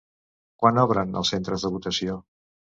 Quan obren els centres de votació?